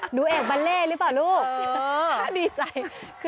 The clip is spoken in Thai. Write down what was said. หนูเอกบัลเล่หรือเปล่าลูก